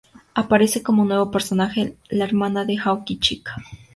Aparece como nuevo personaje la hermana de Aoki, Chika.